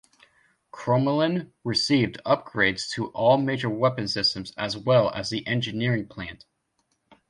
"Crommelin" received upgrades to all major weapons systems as well as the engineering plant.